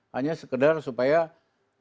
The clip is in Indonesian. hanya sekedar supaya industri yang sama